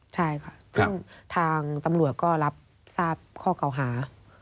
ใช่ค่ะซึ่งทางตำรวจก็รับทราบข้อเก่าหา